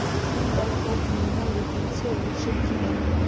Иң бәләкәй һеңлемә етенсе өлөшө, тигән.